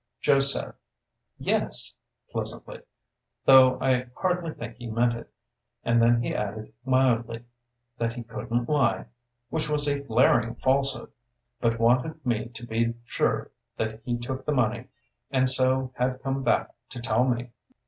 Joe said, "Yes," pleasantly, though I hardly think he meant it; and then he added, mildly, "that he couldn't lie," which was a glaring falsehood, "but wanted me to be sure that he took the money, and so had come back to tell me."